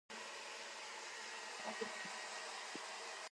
校長兼摃鐘